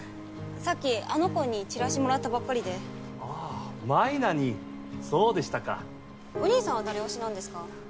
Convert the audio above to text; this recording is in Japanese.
さっきあの子にチラシもらったばっかりであぁ舞菜にそうでしたかお兄さんは誰推しなんですか？